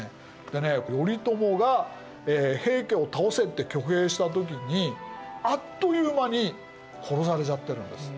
でね頼朝が平家を倒せって挙兵した時にあっという間に殺されちゃってるんです。